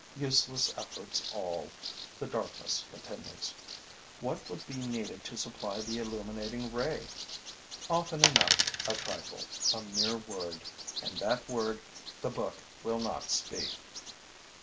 Useless efforts all: the darkness continues. What would be needed to supply the illuminating ray? Often enough, a trifle, a mere word; and that word the book will not speak.